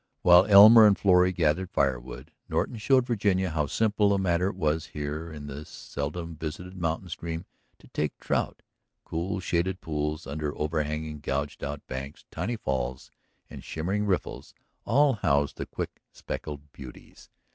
While Elmer and Florrie gathered fire wood, Norton showed Virginia how simple a matter it was here in this seldom visited mountain stream to take a trout. Cool, shaded pools under overhanging, gouged out banks, tiny falls, and shimmering riffles all housed the quick speckled beauties.